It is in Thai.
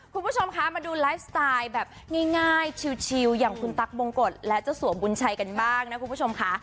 คุณผู้ชมคะมาดูไลฟ์สไตล์แบบง่ายชิลอย่างคุณตั๊กบงกฎและเจ้าสัวบุญชัยกันบ้างนะคุณผู้ชมค่ะ